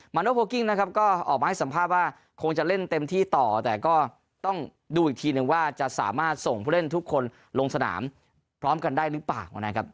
โนโพลกิ้งนะครับก็ออกมาให้สัมภาษณ์ว่าคงจะเล่นเต็มที่ต่อแต่ก็ต้องดูอีกทีนึงว่าจะสามารถส่งผู้เล่นทุกคนลงสนามพร้อมกันได้หรือเปล่านะครับ